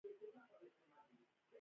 د شکردرې باغونه مڼې لري.